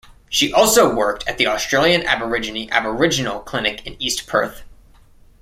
She also worked at the Australian Aborigine Aboriginal Clinic in East Perth.